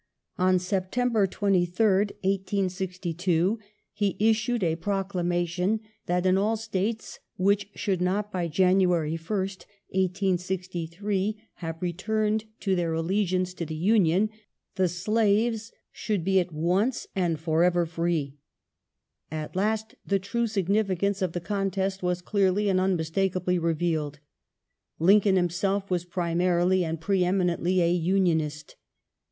On September 23rd, 1862, he issued a proclamation that in all States which should not by January 1st, 1863, have returned to their allegiance to the Union the slaves should be at once and for ever free. At last the true significance of the contest was clearly and unmistakably re vealed. Lincoln himself was primarily and pre eminently a Union ist.